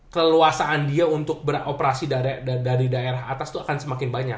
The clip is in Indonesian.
keleluasaan dia untuk beroperasi dari daerah atas itu akan semakin banyak